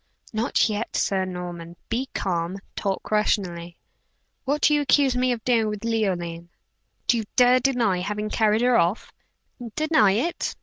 "Not yet, Sir Norman. Be calm; talk rationally. What do you accuse me of doing with Leoline?" "Do you dare deny having carried her off?" "Deny it?